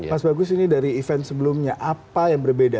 mas bagus ini dari event sebelumnya apa yang berbeda